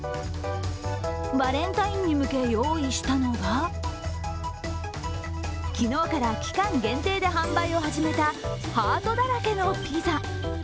バレンタインに向け用意したのが昨日から期間限定で販売を始めたハートだらけのピザ。